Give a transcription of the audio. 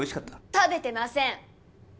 食べてません！